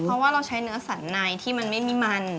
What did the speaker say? เพราะว่าเราใช้เนื้อสันในที่มันไม่มีมัน